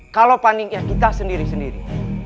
kalau pandangnya kita sendiri sendiri